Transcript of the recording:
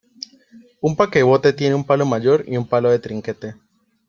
Un paquebote tiene un palo mayor y un palo de trinquete.